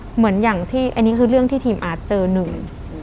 เหมือนอย่างที่อันนี้คือเรื่องที่ทีมอาร์ตเจอหนึ่ง